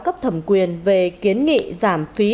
cấp thẩm quyền về kiến nghị giảm phí